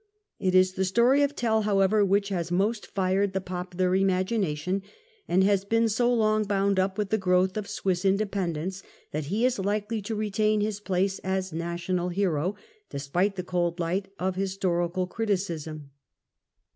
It is the story of Tell, however, which has most fired the popular im agination, and he has been so long bound up with the growth of Swiss independence, that he is likely to retain his place as national hero, despite the cold light of historical criticism.